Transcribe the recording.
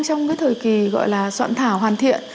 trong cái thời kỳ gọi là soạn thảo hoàn thiện